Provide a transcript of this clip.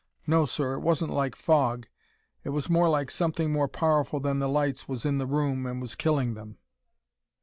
No, sir, it wasn't like fog; it was more like something more powerful than the lights was in the room and was killing them.